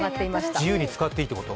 自由に使っていいってこと？